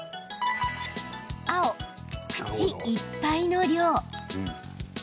青・口いっぱいの量。